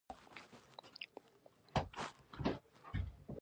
افغانستان تر هغو نه ابادیږي، ترڅو ډیپلوماسي قوي نشي.